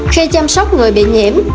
khi chăm sóc người bị nhiễm